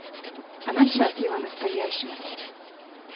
Она счастлива настоящим.